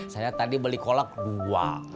saya tadi beli kolak dua